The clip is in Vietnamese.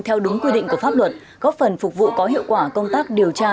theo đúng quy định của pháp luật góp phần phục vụ có hiệu quả công tác điều tra